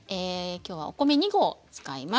今日はお米２合を使います。